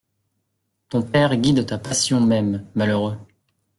Ton père guide ta passion même, malheureux!